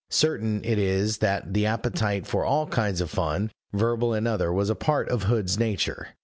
Certain it is that the appetite for all kinds of fun, verbal and other was a part of Hood's nature.